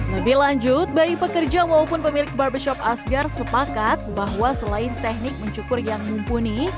lebih lanjut baik pekerja maupun pemilik barbershop asgar sepakat bahwa selain teknik mencukur yang mumpuni